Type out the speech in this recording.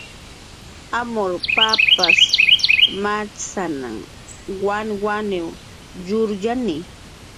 Amur papas machsana, wanwaniw yuryani.